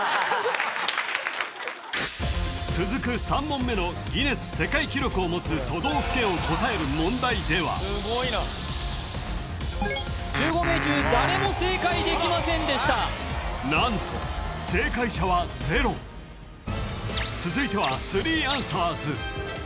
３問目のギネス世界記録を持つ都道府県を答える問題では１５名中誰も正解できませんでした何と正解者はゼロ続いてはスリーアンサーズ